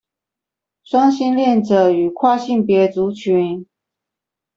雙性戀者與跨性別族群